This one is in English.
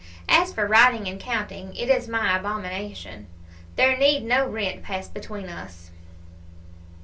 As for writing and counting, it is my abomination. There need no rent pass between us."